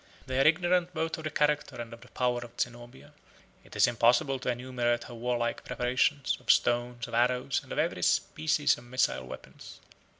They are ignorant both of the character and of the power of Zenobia. It is impossible to enumerate her warlike preparations, of stones, of arrows, and of every species of missile weapons.